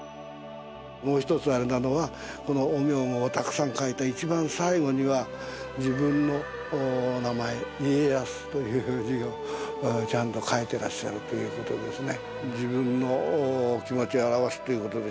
もう一つあれなのはこの御名号をたくさん書いた一番最後には自分の名前「家康」という字をちゃんと書いてらっしゃるという事ですね。